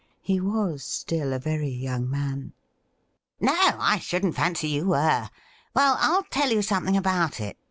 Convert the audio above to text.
He was still a very young man. 'No, I shouldn't fancy you were. Well, I'll tell you something about it.